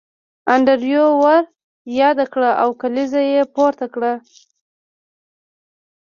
انډریو ور یاد کړ او کلیزه یې پورته کړه